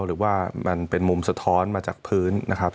หรือว่ามันเป็นมุมสะท้อนมาจากพื้นนะครับ